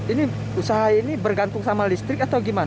ini usaha ini bergantung sama listrik atau gimana